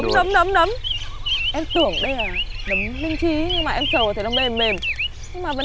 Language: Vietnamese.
sao không ra không ra